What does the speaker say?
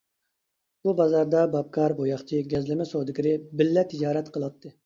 بۇ بازاردا باپكار، بوياقچى، گەزلىمە سودىگىرى بىللە تىجارەت قىلاتتى.